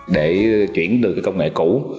để chuyển từ cái công nghệ cũ